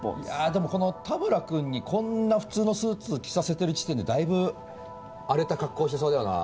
でもこの田村君にこんな普通のスーツ着させてる時点でだいぶ荒れた格好してそうだよな。